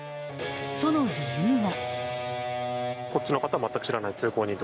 ［その理由は］